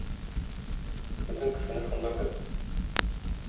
Бөтен кешене шунда керт.